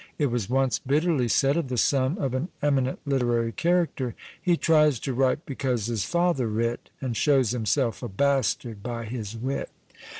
It was once bitterly said of the son of an eminent literary character, He tries to write because his father writ, And shows himself a bastard by his wit.